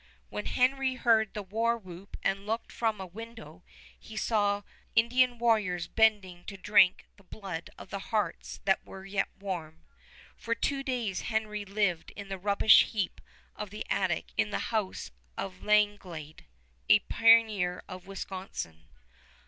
When Henry heard the war whoop and looked from a window he saw Indian warriors bending to drink the blood of hearts that were yet warm. For two days Henry lived in the rubbish heap of the attic in the house of Langlade, a pioneer of Wisconsin.